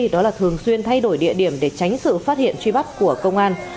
đó là thường xuyên thay đổi địa điểm để tránh sự phát hiện truy bắt của công an